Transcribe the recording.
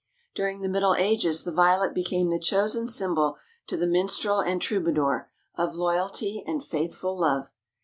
During the middle ages the Violet became the chosen symbol to the minstrel and troubadour, of loyalty and faithful love.